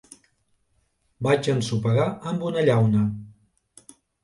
Vaig ensopegar amb una llauna